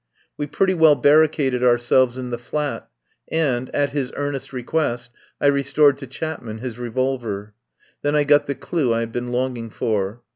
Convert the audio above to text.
We pretty well barricaded ourselves in the flat, and, at his earnest request, I restored to Chapman his revolver. Then I got the clue I had been longing for.